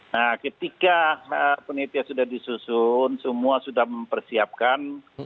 nah ketika penitia sudah disusun semua sudah mempersiapkan